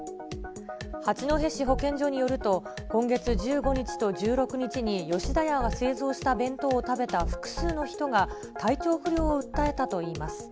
八戸市保健所によると、今月１５日と１６日に、吉田屋が製造した弁当を食べた複数の人が、体調不良を訴えたといいます。